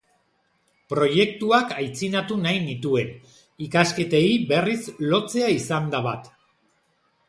Proiektuak aitzinatu nahi nituen, ikasketei berriz lotzea izan da bat.